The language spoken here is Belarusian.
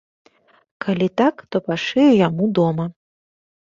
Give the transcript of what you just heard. Калі так, то пашыю яму дома.